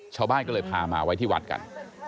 ชาวบ้านก็เลยพามาไว้ที่วัดกัน